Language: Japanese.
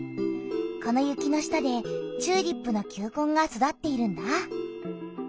この雪の下でチューリップの球根が育っているんだ。